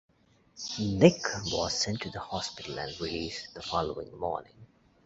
Nick was sent to the hospital and released the following morning.